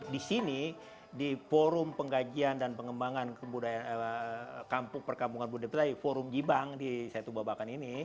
di sini di forum pengkajian dan pengembangan budaya kampung perkabungan budaya betawi forum jibang di setubabakan ini